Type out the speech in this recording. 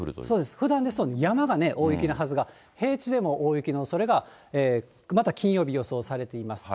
ふだんだと山が大雪のはずが、平地でも大雪のおそれが、また金曜日、予想されています。